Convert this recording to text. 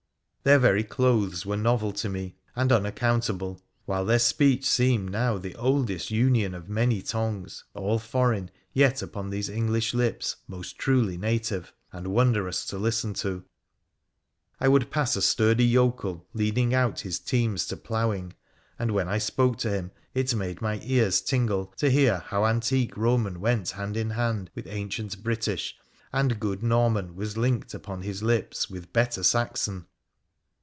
Their very clothes were novel to me, and unaccountable, while their speech seemed now the oddest union of many tongues — all foreign, yet upon these English lips most truly native — and wondrous to listen to. I would pass a sturdy yokel leading out his teams to ploughing, and when I spoke to him it made my ears tingle to hear how antique Eoman went hand in hand with ancient British, and good Norman was linked upon his lips with better Saxon !